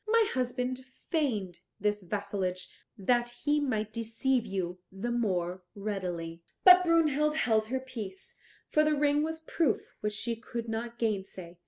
My husband feigned this vassalage that he might deceive you the more readily." But Brunhild held her peace, for the ring was a proof which she could not gainsay.